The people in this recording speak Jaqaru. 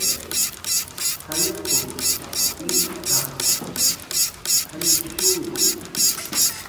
"jallq'uq illqap"" jallpshuwi."